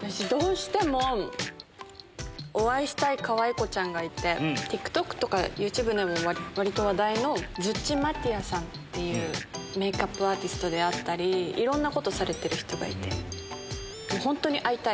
私、どうしてもお会いしたいかわいこちゃんがいて、ＴｉｋＴｏｋとかユーチューブでもわりと話題のズッチ・マッティアさんっていうメークアップアーティストであったり、いろんなことされてる人がいて、本当に会いたい。